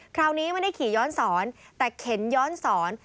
คราวนี้ไม่ได้ขี่ย้อนสอนแต่เข็นย้อนสอน